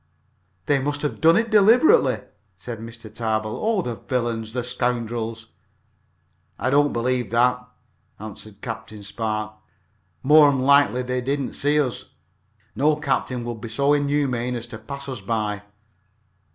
"They must have done it deliberately," said Mr. Tarbill. "Oh, the villains! the scoundrels!" "I don't believe that," answered Captain Spark. "More'n likely they didn't see us. No captain would be so inhuman as to pass us by."